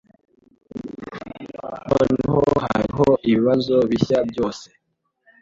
Noneho hariho ibibazo bishya byose.